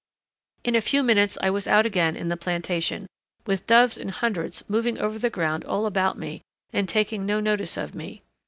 In a few minutes I was out again in the plantation, with doves in hundreds moving over the ground all about me and taking no notice of me.